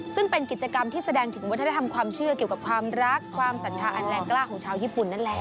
ซึ่งเป็นกิจกรรมที่แสดงถึงวัฒนธรรมความเชื่อเกี่ยวกับความรักความศรัทธาอันแรงกล้าของชาวญี่ปุ่นนั่นแหละ